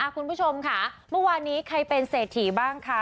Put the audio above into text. คุณผู้ชมค่ะเมื่อวานนี้ใครเป็นเศรษฐีบ้างคะ